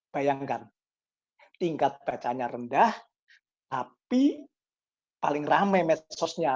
bayangkan tingkat bacanya rendah tapi paling rame medsosnya